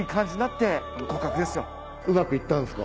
うまくいったんすか？